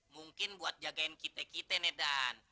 mungkin buat jagain kita kita medan